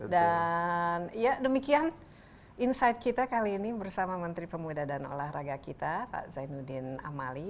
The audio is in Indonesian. dan ya demikian insight kita kali ini bersama menteri pemuda dan olahraga kita pak zainuddin amali